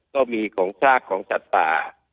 ก็มีของชาติของศัตรูป่า